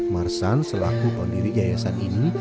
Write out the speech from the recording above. marsan selaku pendiri yayasan ini